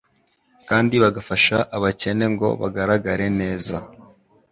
kandi bagafasha abakene ngo bagaragare neza.